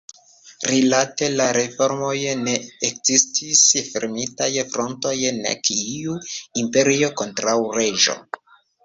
Rilate la reformojn ne ekzistis fermitaj frontoj nek iu „imperio kontraŭ reĝo“.